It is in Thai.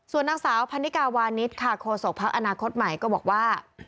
ส่วนนักสาวพันนิกาวานิทคโฆษกษ์ภักดิ์อนาคตใหม่ก็บอกว่า